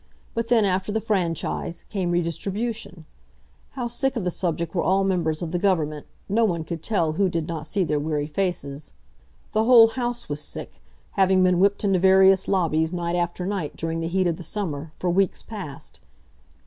But then, after the franchise, came redistribution. How sick of the subject were all members of the Government, no one could tell who did not see their weary faces. The whole House was sick, having been whipped into various lobbies, night after night, during the heat of the summer, for weeks past.